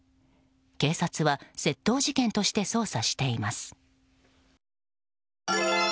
警察は窃盗事件として捜査しています。